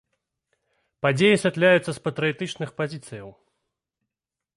Падзеі асвятляюцца з патрыятычных пазіцыяў.